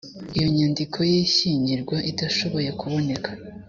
iyo inyandiko y ishyingirwa idashoboye kuboneka